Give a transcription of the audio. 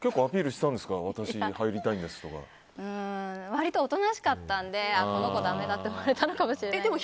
割とおとなしかったのでこの子だめだと思われたのかもしれないです。